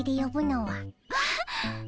あっ。